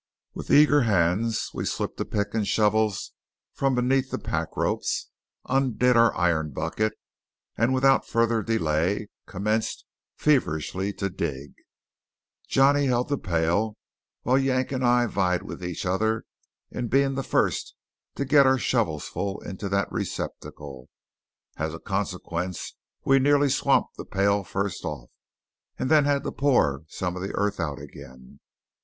With eager hands we slipped a pick and shovels from beneath the pack ropes, undid our iron bucket, and without further delay commenced feverishly to dig. Johnny held the pail, while Yank and I vied with each other in being the first to get our shovelfuls into that receptacle. As a consequence we nearly swamped the pail first off, and had to pour some of the earth out again.